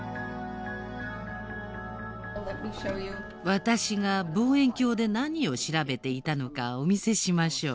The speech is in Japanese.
私が望遠鏡で何を調べていたのかお見せしましょう。